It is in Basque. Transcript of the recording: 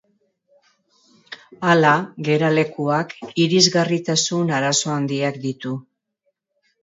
Hala, geralekuak irisgarritasun arazo handiak ditu.